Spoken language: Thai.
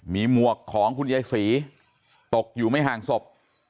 มีหมวกของคุณยายศรีตกอยู่ไม่ห่างศพ